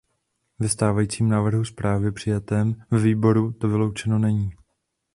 Ve stávajícím návrhu zprávy přijatém ve výboru to vyloučeno není.